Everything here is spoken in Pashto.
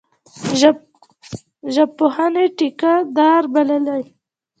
ژبپوهني ټیکه دار بللی.